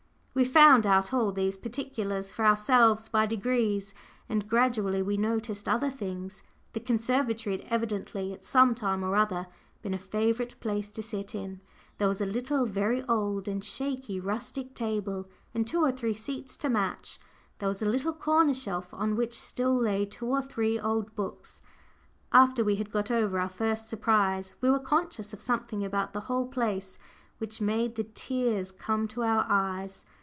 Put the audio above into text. We found out all these particulars for ourselves by degrees; and gradually we noticed other things. The conservatory had evidently, at some time or other, been a favourite place to sit in. There was a little very old and shaky rustic table, and two or three seats to match; there was a little corner shelf on which still lay two or three old books. After we had got over our first surprise, we were conscious of something about the whole place which made the tears come to our eyes.